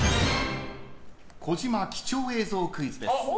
児嶋貴重映像クイズです。